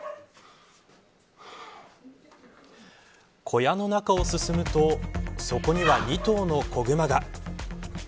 小屋の中を進むとそこには、２頭の子グマが。